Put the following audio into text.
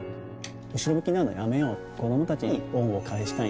後ろ向きになるのはやめよう子供たちに恩を返したい。